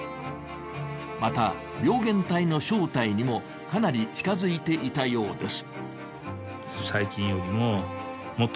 また、病原体の正体にもかなり近づいていたようです。